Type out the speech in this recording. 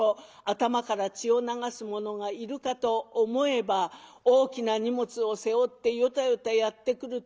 頭から血を流す者がいるかと思えば大きな荷物を背負ってヨタヨタやって来る年寄りがいる。